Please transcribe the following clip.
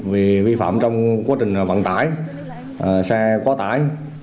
vì vi phạm trong quá trình vận tải xe quá tải